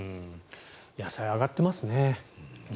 野菜、上がってますね。